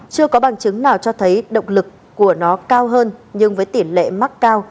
chưa có bằng chứng nào cho thấy động lực của nó cao hơn nhưng với tỷ lệ mắc cao